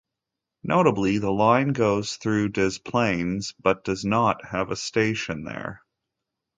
Notably, the line goes through Des Plaines but does not have a station there.